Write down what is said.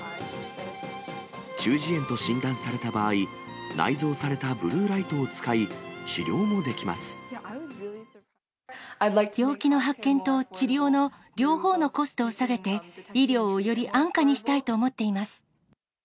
中耳炎と診断された場合、内蔵されたブルーライトを使い、治療も病気の発見と治療の両方のコストを下げて、医療をより安価にしたいと思っています。